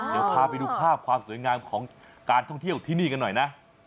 เดี๋ยวพาไปดูภาพความสวยงามของการท่องเที่ยวที่นี่กันหน่อยนะ